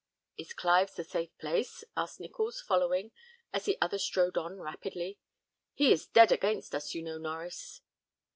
"Is Clive's a safe place?" asked Nichols, following, as the other strode on rapidly. "He is dead against us, you know, Norries."